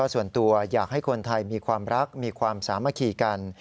ส่วนตัวอยากให้คนไทยมีความรักมีความสามัคคีกัน